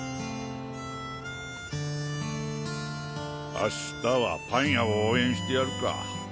明日はパン屋を応援してやるか。